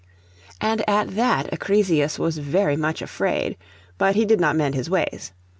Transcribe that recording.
And at that Acrisius was very much afraid; but he did not mend his ways.